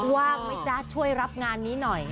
ว่างไหมจ๊ะช่วยรับงานนี้หน่อย